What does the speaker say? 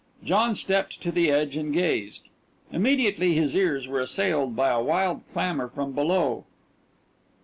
John stepped to the edge and gazed. Immediately his ears were assailed by a wild clamor from below.